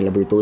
là vì tôi